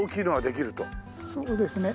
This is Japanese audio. そうですね。